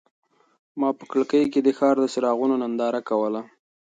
ما په کړکۍ کې د ښار د څراغونو ننداره کوله.